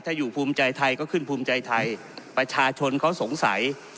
ถ้าอยู่ภูมิใจไทยก็ขึ้นภูมิใจไทยประชาชนเขาสงสัย